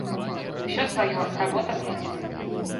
Усё сваё, работа блізка.